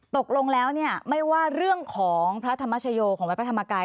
ตกลงแล้วเนี่ยไม่ว่าเรื่องของพระธรรมชโยของวัดพระธรรมกาย